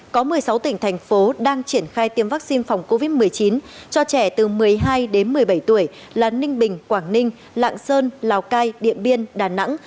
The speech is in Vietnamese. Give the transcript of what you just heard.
có một mươi sáu tỉnh thành phố đang triển khai tiêm vaccine phòng covid một mươi chín cho trẻ từ một mươi hai đến một mươi bảy tuổi là ninh bình quảng ninh lạng sơn lào cai điện biên đà nẵng